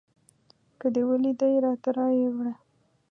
که دې ولیدی راته رایې وړه